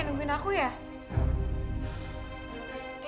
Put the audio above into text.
pengasar yang nungguin aku ya